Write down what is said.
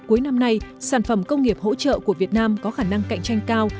cuối năm nay sản phẩm công nghiệp hỗ trợ của việt nam có khả năng cạnh tranh cao